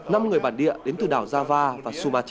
năm người bản địa đến từ đảo java và subat